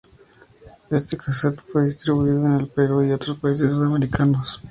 Este cassette fue distribuido en el Perú y otros países sudamericanos.